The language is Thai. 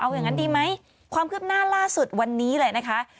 เอาอย่างนั้นดีไหมความคืบหน้าล่าสุดวันนี้เลยนะคะ